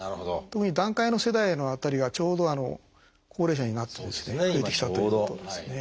特に団塊の世代の辺りがちょうど高齢者になってですね増えてきたということですね。